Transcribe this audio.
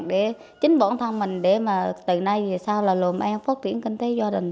để chính bọn thang mình để mà từ nay về sau là lùm em phát triển kinh tế do đình